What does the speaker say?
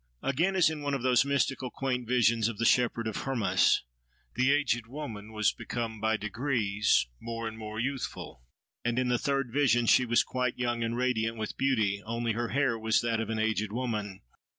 Again as in one of those mystical, quaint visions of the Shepherd of Hermas, "the aged woman was become by degrees more and more youthful. And in the third vision she was quite young, and radiant with beauty: only her hair was that of an aged woman.